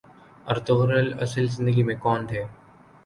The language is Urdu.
ارطغرل اصل زندگی میں کون تھے